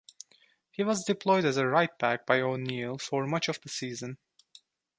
He was deployed as a right-back by O'Neill for much of the season.